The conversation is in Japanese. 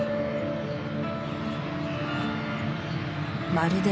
まるで